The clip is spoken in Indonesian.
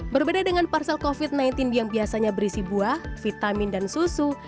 berbeda dengan parsel covid sembilan belas yang biasanya berisi buah vitamin dan susu